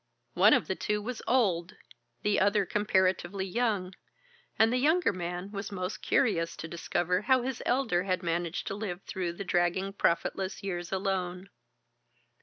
One of the two was old, the other comparatively young, and the younger man was most curious to discover how his elder had managed to live through the dragging profitless years alone.